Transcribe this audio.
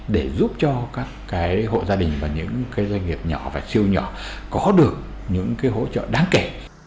để giúp cho các hộ gia đình và những doanh nghiệp nhỏ và siêu nhỏ có được những hỗ trợ đáng kể